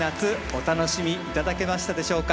お楽しみいただけましたでしょうか。